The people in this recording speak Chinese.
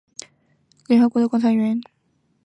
国际民主和选举援助学会为联合国观察员。